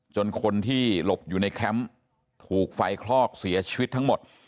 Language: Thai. คนที่หลบอยู่ในแคมป์ถูกไฟคลอกเสียชีวิตทั้งหมด